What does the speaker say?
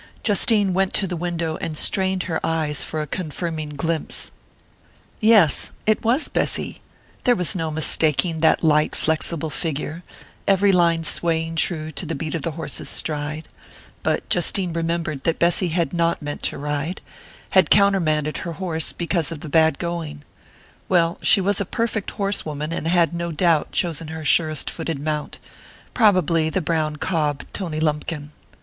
Justine went to the window and strained her eyes for a confirming glimpse. Yes it was Bessy! There was no mistaking that light flexible figure, every line swaying true to the beat of the horse's stride. But Justine remembered that Bessy had not meant to ride had countermanded her horse because of the bad going.... Well, she was a perfect horsewoman and had no doubt chosen her surest footed mount...probably the brown cob, Tony Lumpkin.